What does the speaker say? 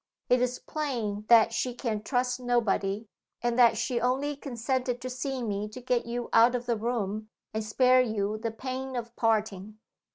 It is plain that she can trust nobody and that she only consented to see me to get you out of the room and spare you the pain of parting.